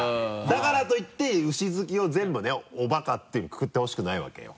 だからといって牛好きを全部ねおバカっていうふうにくくってほしくないわけよ。